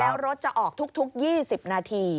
แล้วรถจะออกทุก๒๐นาที